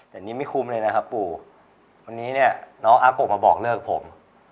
แต่นี่ไม่คุ้มเลยนะครับปู่วันนี้เนี่ยน้องอาโกะมาบอกเลิกผม